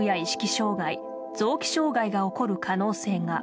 障害臓器障害が起こる可能性が。